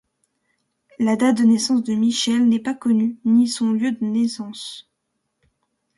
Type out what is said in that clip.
La date de naissance de Michel n'est pas connue, ni son lieu de naissance.